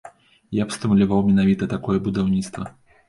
Я б стымуляваў менавіта такое будаўніцтва.